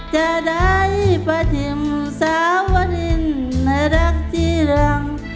จะได้ปฏิมสาววรินทร์ในรักที่รัง